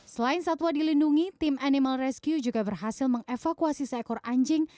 selain satwa dilindungi tim animal rescue juga berhasil mengevakuasi seekor anjing